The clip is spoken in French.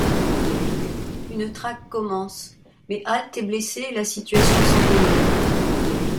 Une traque commence mais Halt est blessé et la situation s'envenime.